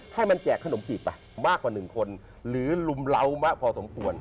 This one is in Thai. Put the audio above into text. ให้มันแจกขนมจีบไปมากกว่า๑คนหรือลุมเหล้ามากพอสมควร